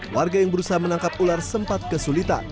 warga yang berusaha menangkap ular sempat kesulitan